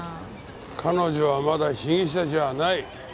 彼女はまだ被疑者じゃない。